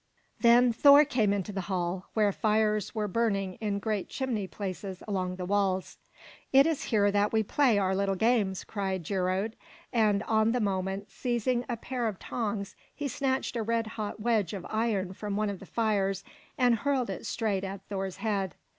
Then Thor came into the hall, where fires were burning in great chimney places along the walls. "It is here that we play our little games," cried Geirröd. And on the moment, seizing a pair of tongs, he snatched a red hot wedge of iron from one of the fires and hurled it straight at Thor's head.